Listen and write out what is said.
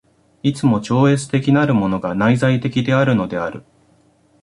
いつも超越的なるものが内在的であるのである。